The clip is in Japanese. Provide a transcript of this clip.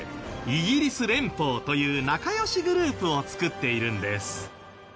イギリス連邦という仲良しグループを作っているんです。